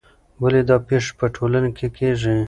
ولې دا پېښې په ټولنه کې کیږي؟